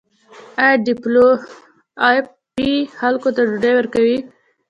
آیا ډبلیو ایف پی خلکو ته ډوډۍ ورکوي؟